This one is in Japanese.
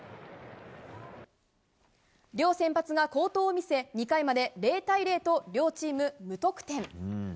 両先発が好投を見せ２回まで０対０と両チーム無得点。